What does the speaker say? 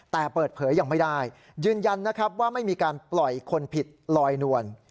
แต่เปิดเผยยังไม่ได้ยืนยันนะครับว่าไม่มีการปล่อยคนผิดลอยนวล